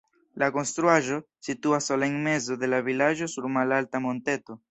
La konstruaĵo situas sola en mezo de la vilaĝo sur malalta monteto.